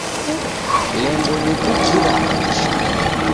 Lengo ni kukira maisha.